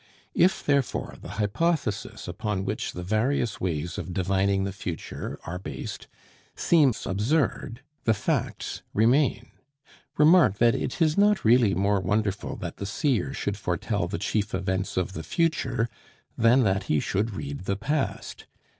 If, therefore, the hypothesis upon which the various ways of divining the future are based seem absurd, the facts remain. Remark that it is not really more wonderful that the seer should foretell the chief events of the future than that he should read the past.